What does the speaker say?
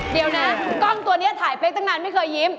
เดี๋ยวนะกล้องตัวนี้ถ่ายเป๊กตั้งนานไม่เคยยิ้ม